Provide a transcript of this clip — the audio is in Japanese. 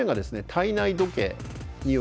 体内時計による制御。